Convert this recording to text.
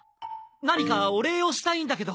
何かお礼をしたいんだけど。